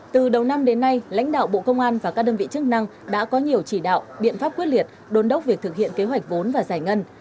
từ đầu năm đến nay lãnh đạo bộ công an và các đơn vị chức năng đã có nhiều chỉ đạo biện pháp quyết liệt đồn đốc việc thực hiện kế hoạch vốn và giải ngân